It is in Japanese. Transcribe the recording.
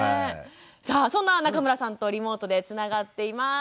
さあそんな中村さんとリモートでつながっています。